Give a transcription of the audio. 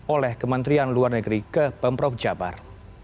oleh kementerian luar negeri ke pemprov jabar